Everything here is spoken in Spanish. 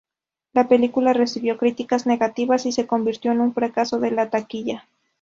La película recibió críticas negativas y se convirtió en un fracaso en la taquilla.